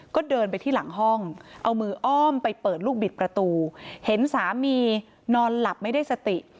ก็เดินไปที่หลังห้องเอามืออ้อมไปเปิดลูกบิดประตูเห็นสามีนอนหลับไม่ได้สติ